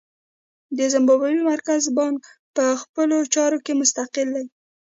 د زیمبابوې مرکزي بانک په خپلو چارو کې مستقل دی.